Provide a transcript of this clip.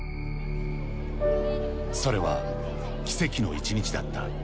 それは、奇跡の一日だった。